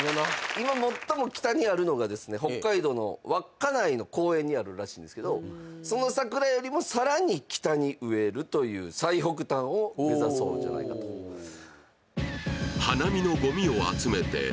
今最も北にあるのが北海道の稚内の公園にあるらしいんですけどその桜よりも更に北に植えるという最北端を目指そうということです。